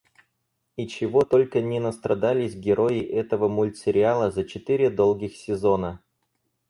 И чего только не настрадались герои этого мультсериала за четыре долгих сезона!